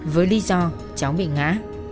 với lý do cháu bị ngã